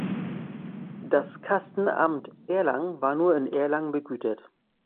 Das Kastenamt Erlangen war nur in Erlangen begütert.